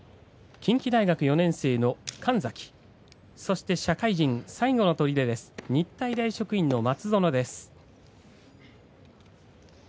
近畿大学４年生の神崎と社会人最後のとりで日体大職員の松園です。